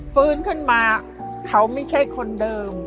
ฟื้นขึ้นมาเขาไม่ใช่คนเดิม